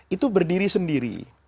itu berdiri sendiri